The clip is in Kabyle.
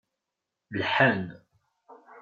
Lḥan.